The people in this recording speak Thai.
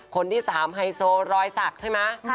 คนที่๓ไฮโซรอยสักใช่ไหม